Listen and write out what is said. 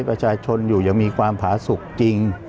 ประชาชนอยู่อย่างมีความผาสุขจริง